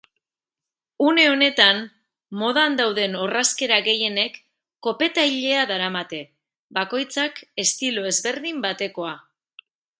Une honetan modan dauden orrazkera gehienek kopeta-ilea daramate, bakoitzak estilo ezberdin batekoa.